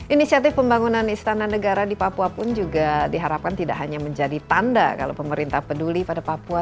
inisiatif pembangunan istana negara di papua pun juga diharapkan tidak hanya menjadi tanda kalau pemerintah peduli pada papua